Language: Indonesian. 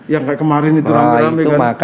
yang kayak kemarin itu rame rame kan